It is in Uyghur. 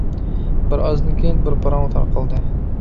بىر ئازدىن كىيىن بىر پاراڭ تارقالدى.